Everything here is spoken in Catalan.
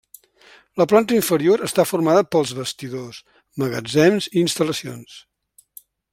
La planta inferior està formada pels vestidors, magatzems i instal·lacions.